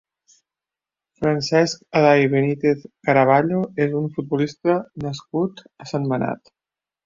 Francesc Aday Benítez Caraballo és un futbolista nascut a Sentmenat.